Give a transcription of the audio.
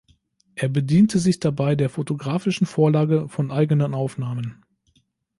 Er bediente sich dabei der fotografischen Vorlage von eigenen Aufnahmen.